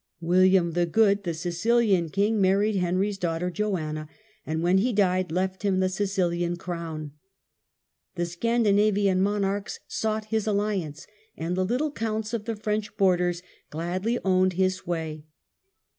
William the Good, the Sicilian king, married Henry's daughter Johanna, and when he died left him the Sicilian crown. The Scandinavian monarchs sought his alliance, and the little counts of the French borders gladly owned his sway.